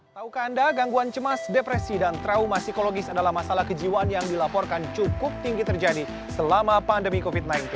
taukah anda gangguan cemas depresi dan trauma psikologis adalah masalah kejiwaan yang dilaporkan cukup tinggi terjadi selama pandemi covid sembilan belas